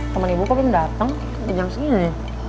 kaman ibu kok belum dateng kejam segini